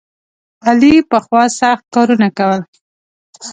علي پخوا سخت کارونه کول.